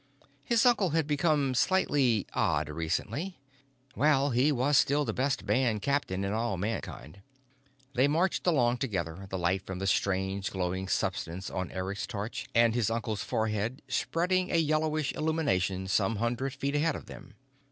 His uncle had become slightly odd recently. Well, he was still the best band captain in all Mankind. They marched along together, the light from the strange glowing substance on Eric's torch and his uncle's forehead spreading a yellowish illumination some hundred feet ahead of them.